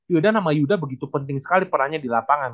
yudan sama yuda begitu penting sekali perannya di lapangan